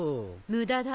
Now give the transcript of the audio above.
無駄だ。